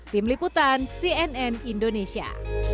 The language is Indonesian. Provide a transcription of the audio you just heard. tim liputan cnn indonesia